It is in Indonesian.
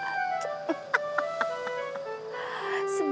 datuk kelebai karat